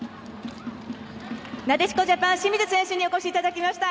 なでしこジャパン清水選手にお越しいただきました。